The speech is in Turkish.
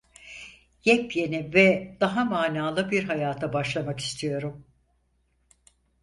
Yepyeni ve daha manalı bir hayata başlamak istiyorum…